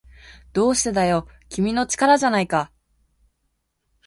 どうしてだよ、君の力じゃないか